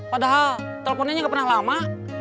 padahal teleponnya nggak pernah lama